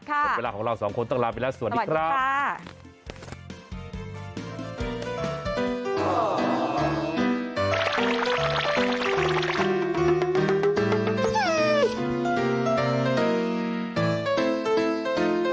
หมดเวลาของเราสองคนต้องลาไปแล้วสวัสดีครับ